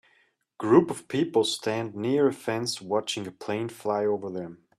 Group of people stand near a fence watching a plane fly over them